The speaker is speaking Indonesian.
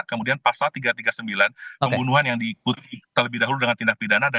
kemudian pasal tiga ratus tiga puluh sembilan pembunuhan yang diikuti terlebih dahulu dengan tindak pidana